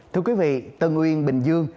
thưa quý vị tân uyên bình dương